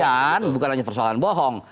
dan bukan hanya persoalan bohong